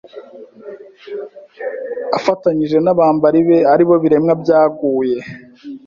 Afatanyije n’abambari be aribo biremwa byaguye,